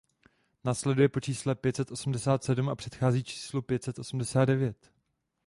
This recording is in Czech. Následuje po čísle pět set osmdesát sedm a předchází číslu pět set osmdesát devět.